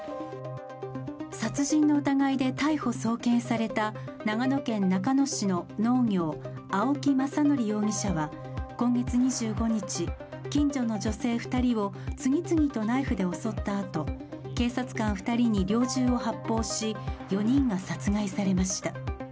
殺人の疑いで逮捕・送検された長野県中野市の農業、青木政憲容疑者は今月２５日、近所の女性２人を次々とナイフで襲ったあと、警察官２人に猟銃を発砲し、４人が殺害されました。